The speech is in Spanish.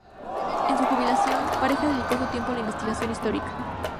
En su jubilación, Pareja dedicó su tiempo a la investigación histórica...